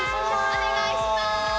お願いします。